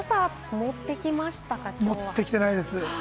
持ってきてないです。